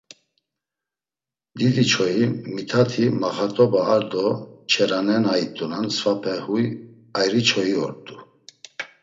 Didiçoyi, Mitati, Maxat̆oba ar do Çerana na it̆unan svape huy ayri çoyi ort̆u.